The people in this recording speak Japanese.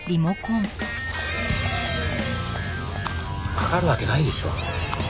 かかるわけないでしょ！